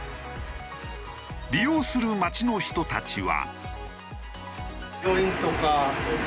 利用する町の人たちは。